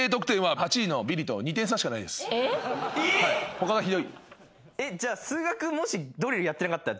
他がひどい。